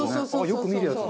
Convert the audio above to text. よく見るやつだ。